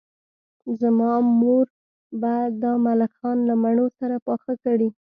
زما مور به دا ملخان له مڼو سره پاخه کړي